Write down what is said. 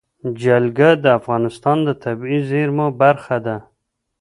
جلګه د افغانستان د طبیعي زیرمو برخه ده.